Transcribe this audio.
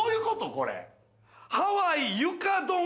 これ。